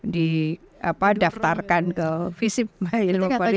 didaftarkan ke visi ilmu politik